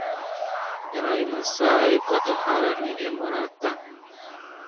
Neno la Kimasai kwa tohara ni emorata